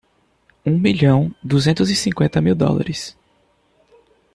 Um milhão duzentos e cinquenta mil dólares.